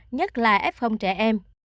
nhất là f trẻ em